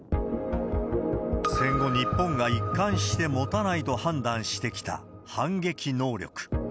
戦後日本が一貫して持たないと判断してきた反撃能力。